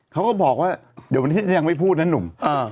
เขาก็บอกว่าเดี๋ยวต้องเป็นที่จะยังไม่พูดนะหนุ่ม